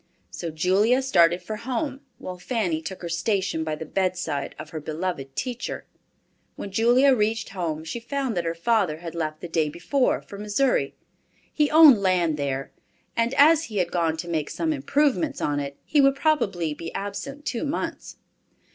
So Julia started for home, while Fanny took her station by the bedside of her beloved teacher. When Julia reached home, she found that her father had left the day before for Missouri. He owned land there, and as he had gone to make some improvements on it, he would probably be absent two months.